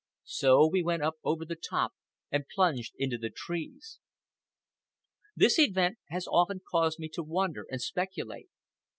So we went up over the top and plunged into the trees. This event has often caused me to wonder and speculate.